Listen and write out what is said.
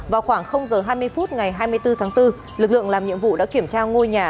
vào khoảng h hai mươi phút ngày hai mươi bốn tháng bốn lực lượng làm nhiệm vụ đã kiểm tra ngôi nhà